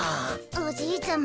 おじいちゃま。